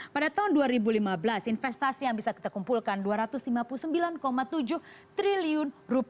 pada tahun dua ribu lima belas investasi yang bisa kita kumpulkan rp dua ratus lima puluh sembilan tujuh triliun